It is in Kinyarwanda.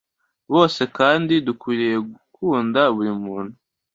bose kandi dukwiye gukunda buri muntu,